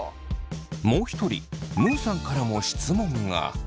もう一人むうさんからも質問が。